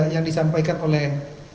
yang disampaikan oleh